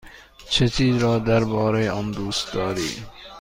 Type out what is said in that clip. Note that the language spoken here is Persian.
چه چیز را درباره آن دوست داری؟